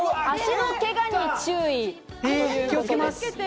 足のけがに注意。